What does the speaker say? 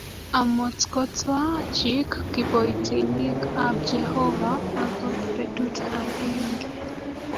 Amotkwotwaa chiik kiboitinki ab Jehovah akot betut agenge